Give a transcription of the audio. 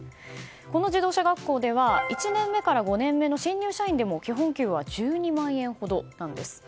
この自動車学校では１年目から５年目の新入社員でも基本給は１２万円ほどなんです。